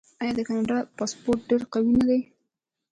آیا د کاناډا پاسپورت ډیر قوي نه دی؟